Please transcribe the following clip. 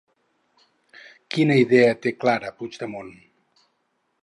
Quina idea té clara Puigdemont?